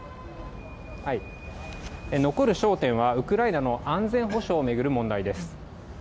残る焦点はウクライナの安全保障を巡る問題です。